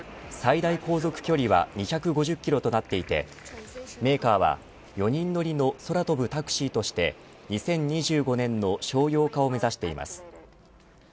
最大航続距離は２５０キロとなっていてメーカーは４人乗りの空飛ぶタクシーとして２０２５年の商用化を目指しています。